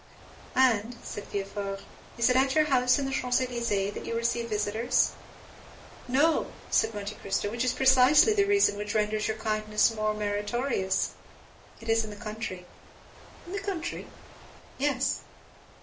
"And," said Villefort, "is it at your house in the Champs Élysées that you receive your visitors?" "No," said Monte Cristo, "which is precisely the reason which renders your kindness more meritorious,—it is in the country." "In the country?" "Yes."